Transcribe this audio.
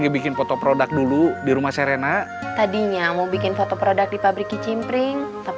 ce kata kang cecep disuruh bikin kopi tiga